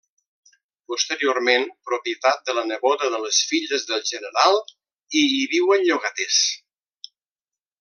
Posteriorment propietat de la neboda de les filles del general i hi viuen llogaters.